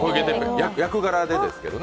役柄でですけどね。